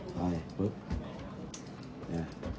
ส่วนสุดท้ายส่วนสุดท้าย